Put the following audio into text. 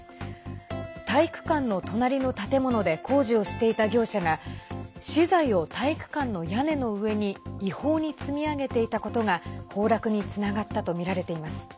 体育館の隣の建物で工事をしていた業者が資材を体育館の屋根の上に違法に積み上げていたことが崩落につながったとみられています。